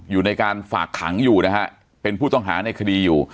อยู่ในการฝากขังเป็นผู้ต้องหาในคดีอยู่